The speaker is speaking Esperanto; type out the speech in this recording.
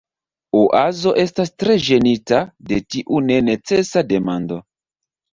Oazo estas tre ĝenita de tiu nenecesa demando.